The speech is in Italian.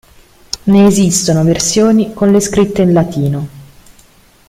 Ne esistono versioni con le scritte in latino.